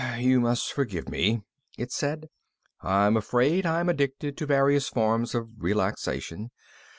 "You must forgive me," it said. "I'm afraid I'm addicted to various forms of relaxation.